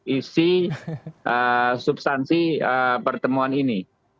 isi substansi pertemuan ini